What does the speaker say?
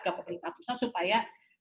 ke pemerintah pusat supaya